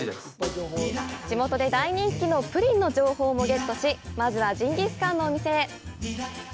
地元で大人気のプリンの情報もゲットしまずはジンギスカンのお店へ！